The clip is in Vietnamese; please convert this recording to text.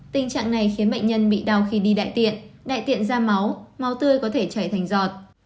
tình trạng này khiến bệnh nhân bị đau khi đi đại tiện đại tiện ra máu máu tươi có thể chảy thành giọt